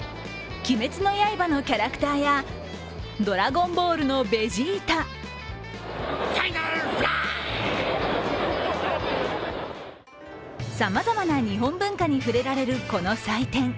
「鬼滅の刃」のキャラクターや、「ドラゴンボール」のベジータさまざま日本文化に触れられるこの祭典。